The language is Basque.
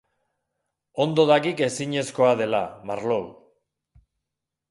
Ondo dakik ezinezkoa dela, Marlowe.